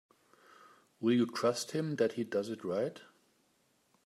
Will you trust him that he does it right?